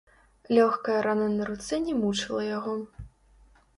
Лёгкая рана на руцэ не мучыла яго.